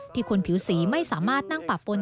ที่คนผิวสีไม่สามารถนั่งปรากฏ